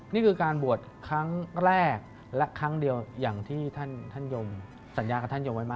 นี่คือการบวชครั้งแรกและครั้งเดียวอย่างที่ท่านยมสัญญากับท่านยมไว้มาก